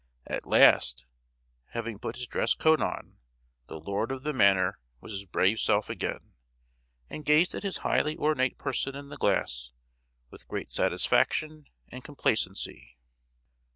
At last, having put his dress coat on, the lord of the manor was his brave self again, and gazed at his highly ornate person in the glass with great satisfaction and complacency.